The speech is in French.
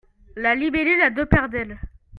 La libellule a deux paires d'ailes.